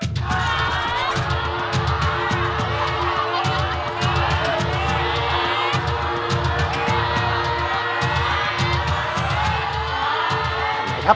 แผ่นไหนครับ